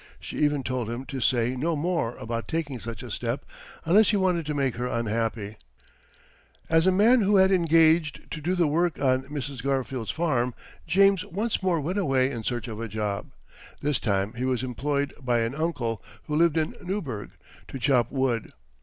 She even told him to say no more about taking such a step unless he wanted to make her unhappy. As a man had been engaged to do the work on Mrs. Garfield's farm, James once more went away in search of a job. This time he was employed by an uncle, who lived at Newburg, to chop wood.